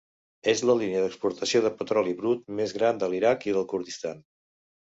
És la línia d'exportació de petroli brut més gran de l'Iraq i del Kurdistan.